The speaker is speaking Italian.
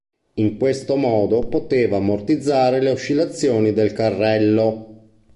In questo modo poteva ammortizzare le oscillazioni del carrello.